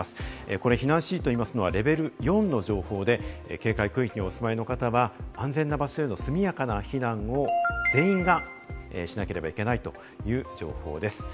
これ避難指示といいますのはレベル４の情報で、警戒区域にお住まいの方は安全な場所への速やかな避難を全員がしなければいけないという情報です。